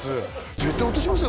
絶対落としました